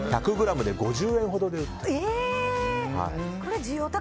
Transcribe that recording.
１００ｇで５０円ほどで売っていると。